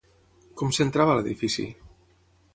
Com s'entrava a l'edifici?